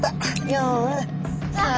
４３。